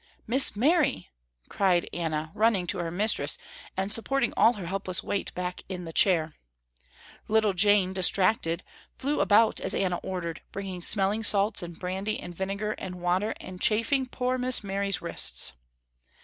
"Miss Mary!" cried Anna running to her mistress and supporting all her helpless weight back in the chair. Little Jane, distracted, flew about as Anna ordered, bringing smelling salts and brandy and vinegar and water and chafing poor Miss Mary's wrists.